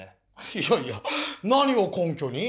いやいや何を根きょに？